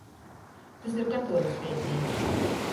Tys ir katuoļu sveicīņs.